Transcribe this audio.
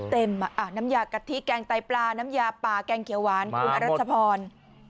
น้ำยากะทิแกงไตปลาน้ำยาปลาแกงเขียวหวานคุณอรัชพร